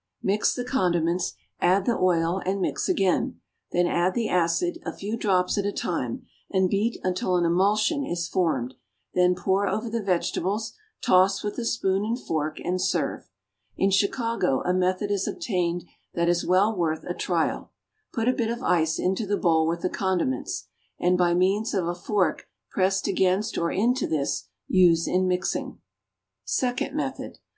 _ Mix the condiments, add the oil and mix again; then add the acid, a few drops at a time, and beat until an emulsion is formed; then pour over the vegetables, toss with the spoon and fork, and serve. In Chicago a method has obtained that is well worth a trial: Put a bit of ice into the bowl with the condiments, and, by means of a fork pressed against or into this, use in mixing. _Second Method.